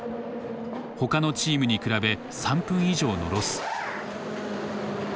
他のチームに比べ３分以上のロス。